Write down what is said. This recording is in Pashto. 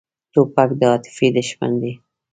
توپک د عاطفې دښمن دی.